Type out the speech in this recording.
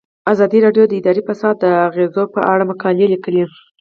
ازادي راډیو د اداري فساد د اغیزو په اړه مقالو لیکلي.